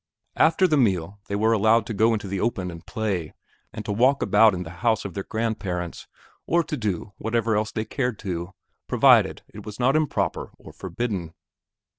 After the meal they were allowed to go into the open and play, and to walk about in the house of their grandparents, or do whatever else they cared to, provided it was not improper or forbidden.